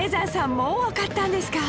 もうわかったんですか！？